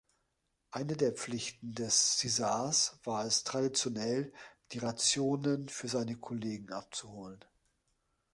Eine der Pflichten des Sizars war es traditionell, die „Rationen“ für seine Kollegen abzuholen.